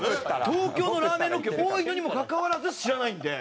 東京のラーメンロケ多いのにもかかわらず知らないんで。